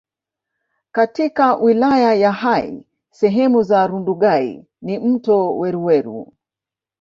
katika wilaya ya Hai sehemu za Rundugai na mto Weruweru